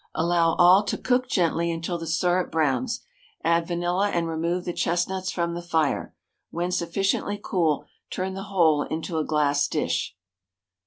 Allow all to cook gently until the syrup browns, add vanilla and remove the chestnuts from the fire; when sufficiently cool, turn the whole into a glass dish.